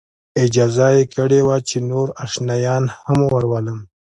اجازه یې کړې وه چې نور آشنایان هم ورولم.